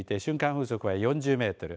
風速は４０メートル